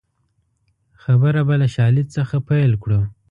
خبره به له شالید څخه پیل کړو